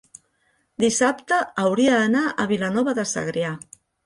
dissabte hauria d'anar a Vilanova de Segrià.